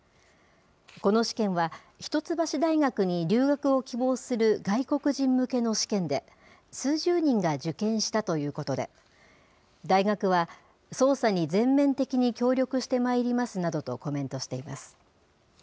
この試験は、一橋大学に留学を希望する外国人向けの試験で、数十人が受験したということで、大学は捜査に全面的に協力してまいりますなどとコメントしています。